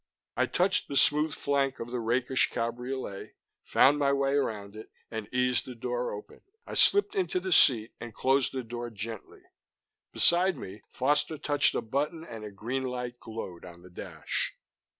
I touched the smooth flank of the rakish cabriolet, felt my way around it, and eased the door open. I slipped into the seat and closed the door gently. Beside me, Foster touched a button and a green light glowed on the dash.